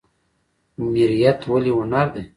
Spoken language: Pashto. میریت ولې هنر دی؟